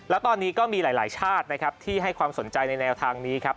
แล้วตอนนี้ก็มีหลายชาตินะครับที่ให้ความสนใจในแนวทางนี้ครับ